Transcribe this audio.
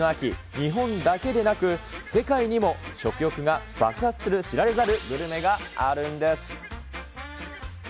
日本だけでなく、世界にも食欲が爆発する知られざるグルメがあるんです。